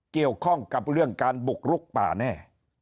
เกี่ยวข้องกับเรื่องการบุกลุกป่าแน่